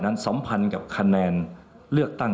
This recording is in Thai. สัมพันธ์กับคะแนนเลือกตั้ง